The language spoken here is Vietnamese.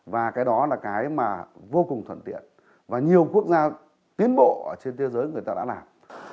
và cái đó là cái mà vô cùng thuận tiện và nhiều quốc gia tiến bộ trên thế giới người ta đã làm